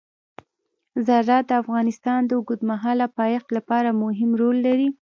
زراعت د افغانستان د اوږدمهاله پایښت لپاره مهم رول لري.